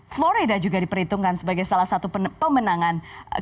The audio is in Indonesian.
floreda juga diperhitungkan sebagai salah satu pemenangan